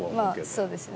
そうですね